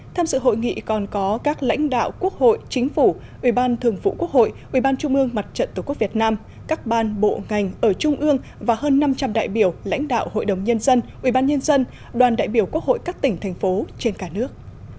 tham dự hội nghị còn có các lãnh đạo quốc hội chính phủ ủy ban thường vụ quốc hội ủy ban trung ương mặt trận tổ quốc việt nam các ban bộ ngành ở trung ương và hơn năm trăm linh đại biểu lãnh đạo hội đồng nhân dân ủy ban nhân dân đoàn đại biểu quốc hội các tỉnh thành phố trên cả nước